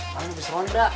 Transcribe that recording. kamu bisa ronda